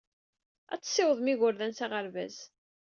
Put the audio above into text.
Ad tessiwḍem igerdan s aɣerbaz.